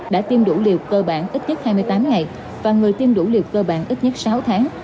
đã tiêm đủ liều cơ bản ít nhất hai mươi tám ngày và người tiêm đủ liều cơ bản ít nhất sáu tháng